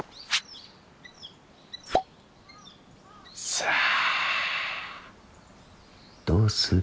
さあどうする？